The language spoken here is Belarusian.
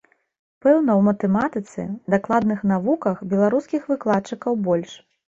Пэўна, у матэматыцы, дакладных навуках беларускіх выкладчыкаў больш.